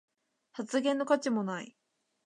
発言の価値もない